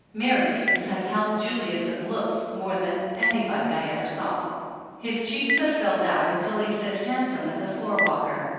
Marrying has helped Julius' looks more than anybody I ever saw. His cheeks have filled out until he's as handsome as a floor walker.